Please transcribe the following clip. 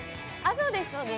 そうです